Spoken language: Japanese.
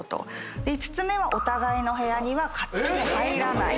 ５つ目はお互いの部屋には勝手に入らない。